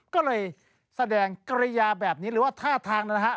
ก็เลยแสดงกริยาแบบนี้หรือว่าท่าทางนะฮะ